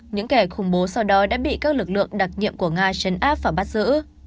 những kẻ khủng bố sau đó đã bị các lực lượng đặc nhiệm của nga chấn áp và bắt giữ